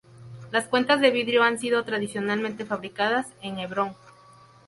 Las cuentas de vidrio han sido tradicionalmente fabricadas en Hebrón.